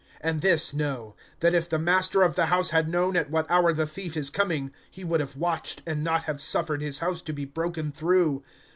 (39)And this know, that if the master of the house had known at what hour the thief is coming, he would have watched, and not have suffered his house to be broken through.